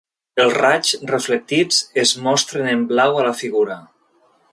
Els raigs reflectits es mostren en blau a la figura.